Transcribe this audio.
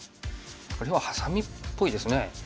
これはハサミっぽいですね。